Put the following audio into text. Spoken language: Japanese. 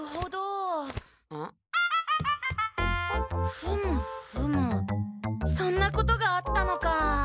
ふむふむそんなことがあったのか。